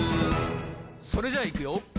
それじゃいくよ